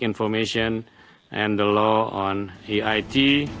dan peraturan tentang eit